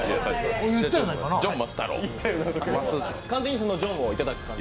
完全に、そのジョンをいただく感じ。